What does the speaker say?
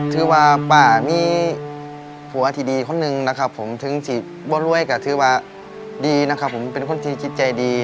ถือว่าป้ามีผัวที่ดีข้อหนึ่งถึงที่บ่เว่ยกะถือว่าดีเป็นคนที่คิดใจดี